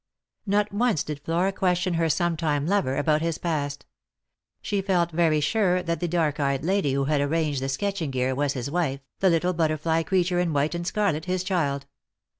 Not once did Flora question her sometime lover about his past. She felt very sure that the dark eyed lady who had arranged the sketching gear was his wife, the little butterfly creature in white and scarlet his child.